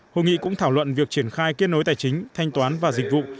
hội nghị cũng thảo luận việc triển khai kết nối tài chính thanh toán và dịch vụ